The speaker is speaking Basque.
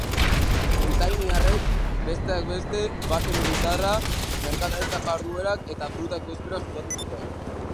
Britainiarrek, besteak beste, base militarra, merkataritza-jarduerak eta fruta-ekoizpena sustatu zuten.